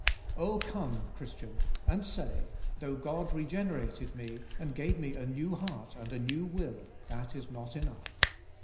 Oh come. Christian, and say, though God reg^enerated me, and g"ave me a new heart and a new will, that is not enoug"h.